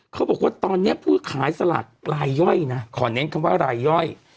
เขาบอกว่าตอนนี้ผู้ขายสลากรายย่อยนะขอเน้นคำว่ารายย่อย